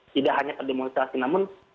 tidak hanya pada demonstrasi namun